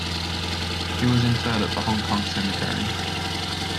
He was interred at the Hong Kong Cemetery.